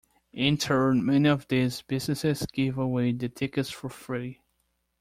In turn, many of these businesses gave away the tickets for free.